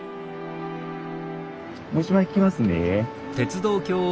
もう１枚いきますね。